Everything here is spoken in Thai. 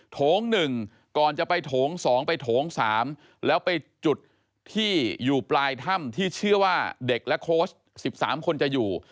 โถง๑ก่อนจะไปโถง๒ไปโถง๓แล้วไปจุดที่อยู่ปลายถ้ำที่เชื่อว่าเด็กและโค้ช๑๓คนจะอยู่